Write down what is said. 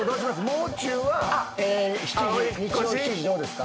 もう中は日曜７時どうですか？